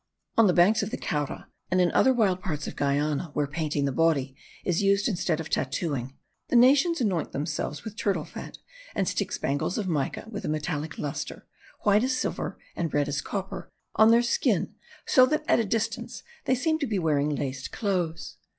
On the banks of the Caura, and in other wild parts of Guiana, where painting the body is used instead of tattooing, the nations anoint themselves with turtle fat, and stick spangles of mica with a metallic lustre, white as silver and red as copper, on their skin, so that at a distance they seem to wear laced clothes.